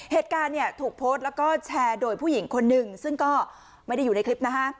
เหตุการณ์เนี่ยถูกโพสต์แล้วก็แชร์โดยผู้หญิงคนหนึ่งซึ่งก็ไม่ได้อยู่ในคลิปนะฮะ